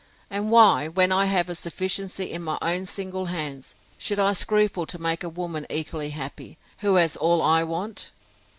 And why, when I have a sufficiency in my own single hands, should I scruple to make a woman equally happy, who has all I want?